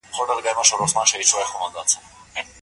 پریمېنوپاز کې د ایسټروجن کچه کمېږي.